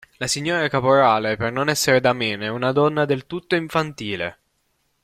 La signora Caporale per non essere da meno è una donna del tutto infantile.